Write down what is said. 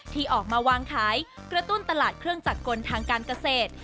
ที่ออกมาวางขายกระตุ้นตลาดเครื่องจักรกลทางการเกษตร